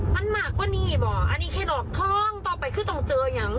มันมากกว่านี้บ่อันนี้แค่นอกท้องต่อไปคือต้องเจออย่าง